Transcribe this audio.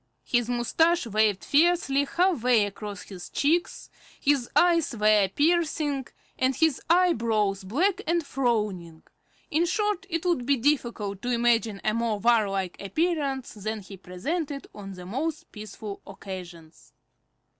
His moustache waved fiercely half way across his cheeks, his eyes were piercing, and his eyebrows black and frowning; in short, it would be difficult to imagine a more warlike appearance than he presented on the most peaceful occasions.